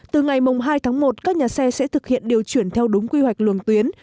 từ ngày hai tháng một các nhà xe sẽ thực hiện điều chuyển theo đúng quy hoạch luồng tuyến